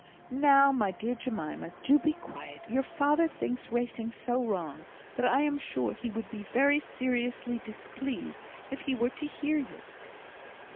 "Now, my dear Jemima, do be quiet. Your father thinks racing so wrong, that I am sure he would be very seriously displeased if he were to hear you."